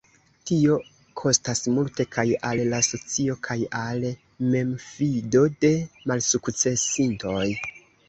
Tio kostas multe kaj al la socio kaj al la memfido de malsukcesintoj.